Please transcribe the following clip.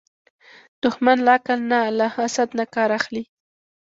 دښمن له عقل نه، له حسد نه کار اخلي